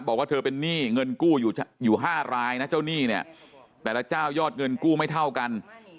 บอกว่าเธอเป็นหนี้เงินกู้อยู่๕รายนะเจ้าหนี้เนี่ยแต่ละเจ้ายอดเงินกู้ไม่เท่ากัน